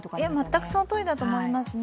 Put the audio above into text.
全くそのとおりだと思いますね。